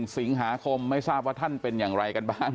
สิงหาคมไม่ทราบว่าท่านเป็นอย่างไรกันบ้าง